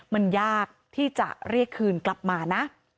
มันยากที่จะเรียกคืนกลับมานะ